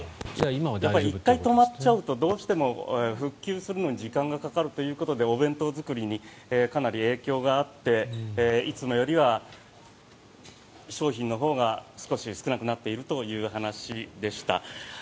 １回止まっちゃうとどうしても復旧するのに時間がかかるということでお弁当作りにかなり影響があっていつもよりは商品のほうが少し少なくなっているという話でした。